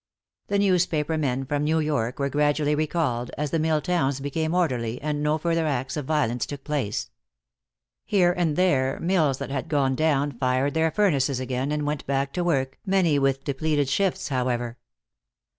The newspaper men from New York were gradually recalled, as the mill towns became orderly, and no further acts of violence took place. Here and there mills that had gone down fired their furnaces again and went back to work, many with depleted shifts, however.